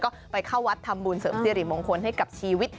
ก็ไปเข้าวัดทำบุญเสริมสิริมงคลให้กับชีวิต